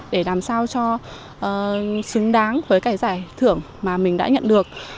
để làm sao cho xứng đáng với cái giải thưởng mà mình đã nhận được